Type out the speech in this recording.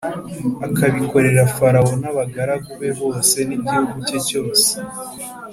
akabikorera Farawo n’abagaragu be bose n’igihugu cye cyose,